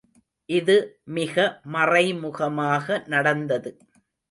இது மிக மறைமுகமாக நடந்தது.